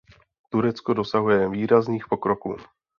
Turecko dosahuje výrazných pokroků.